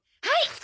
はい！